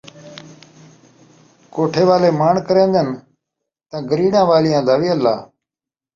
کوٹھے والے ماݨ کرین٘دن تاں گریڑیاں والیاں دا وی اللہ